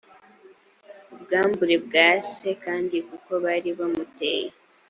ubwambure bwa se kandi kuko bari bamuteye